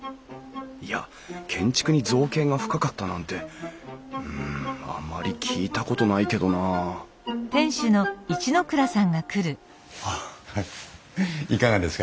いや建築に造詣が深かったなんてうんあまり聞いたことないけどなあいかがですか？